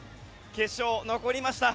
決勝に残りました。